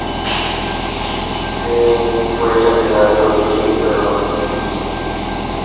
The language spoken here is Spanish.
C.. Fue candidato a edil, pero no fue elegido.